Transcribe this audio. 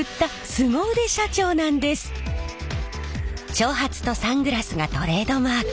長髪とサングラスがトレードマーク。